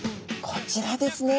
こちらですね